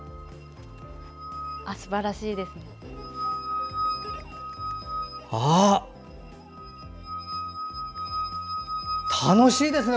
すばらしいですね。